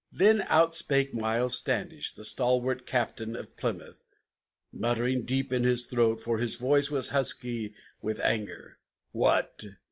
Then out spake Miles Standish, the stalwart Captain of Plymouth, Muttering deep in his throat, for his voice was husky with anger, "What!